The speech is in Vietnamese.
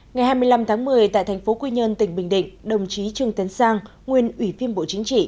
ngày hai mươi năm tháng một mươi tại thành phố quy nhơn tỉnh bình định đồng chí trương tấn sang nguyên ủy viên bộ chính trị